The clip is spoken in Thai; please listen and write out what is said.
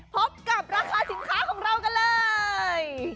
พบกับราคาสินค้าของเรากันเลย